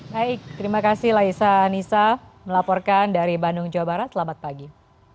baik terima kasih laisa nisa melaporkan dari bandung jawa barat selamat pagi